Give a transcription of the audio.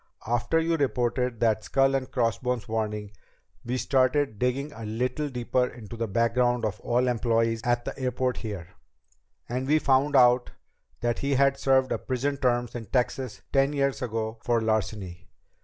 After you reported that skull and crossbones warning, we started digging a little deeper into the background of all employees at the airport here. And we found out that he had served a prison term in Texas ten years ago for larceny.